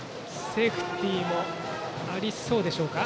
セーフティーもありそうでしょうか。